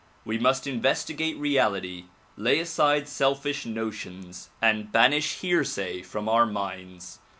We must investigate reality, lay aside selfish notions and banish hearsay from our minds.